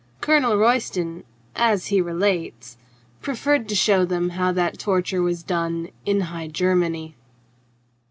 Colonel Royston, as he relates, proffered to show them how that torture was done in High Germany.